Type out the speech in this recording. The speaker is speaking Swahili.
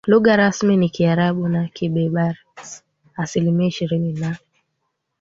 Lugha rasmi ni Kiarabu na Kiberbers asilimia ishirini na